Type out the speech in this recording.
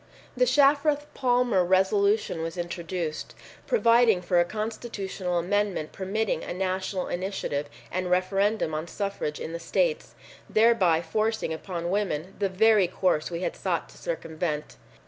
The Shafroth Palmer Resolution was introduced, providing for a constitutional amendment permitting a national initiative and referendum on suffrage in the states, thereby forcing upon women the very course we had sought to circumvent.